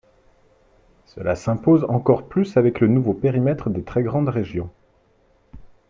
Cela s’impose encore plus avec le nouveau périmètre des très grandes régions.